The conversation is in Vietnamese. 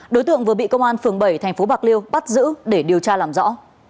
đối tượng vừa bị công an phường bảy tp bạc liêu bắt giữ để điều tra làm rõ